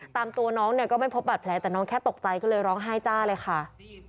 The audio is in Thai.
ตามตัวน้องเนี่ยก็ไม่พบบาดแผลแต่น้องแค่ตกใจก็เลยร้องไห้จ้าเลยค่ะ